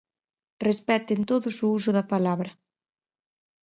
Respecten todos o uso da palabra.